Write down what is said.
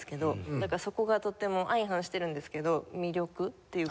だからそこがとっても相反しているんですけど魅力っていうか。